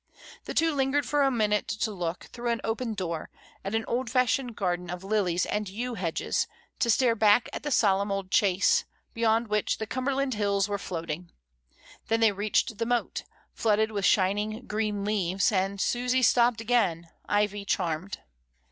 The two lingered for a minute to look, through an open door, at an old fashioned garden of lilies and yew hedges, to stare back at the solemn old chase, beyond which the Cumberland hills were floating; then they reached the moat, flooded with shining green leaves, and Susy stopped again, ivy charmed.